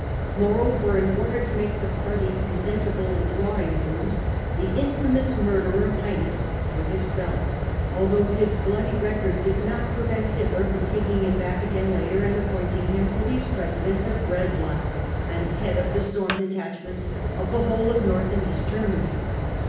Moreover, in order to make the party presentable in drawing rooms, the infamous murderer Heines was ex * pelled ; although his bloody record did not prevent Hitler from taking him back again later and appointing him police president of Breslau and head of the storm detach ments of the whole of North and East Germany.